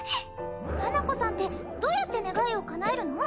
花子さんってどうやって願いを叶えるの？